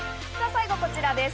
最後、こちらです。